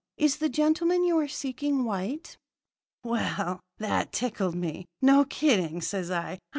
Is the gentleman you are seeking white?' "Well, that tickled me. 'No kidding,' says I.